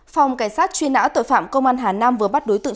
phòng cảnh sát truy nã tội phạm công an hà nam vừa bắt đối tượng